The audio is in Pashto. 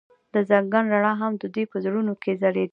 د ځنګل رڼا هم د دوی په زړونو کې ځلېده.